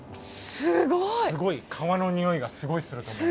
すごい革の匂いがすごいすると思う。